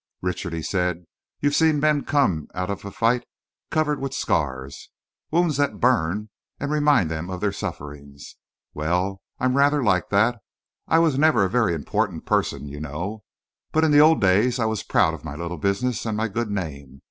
"Richard," he said, "you've seen men come out of a fight covered with scars, wounds that burn and remind them of their sufferings. Well, I'm rather like that. I was never a very important person, you know, but in the old days I was proud of my little business and my good name.